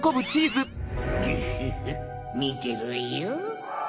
グフフみてろよ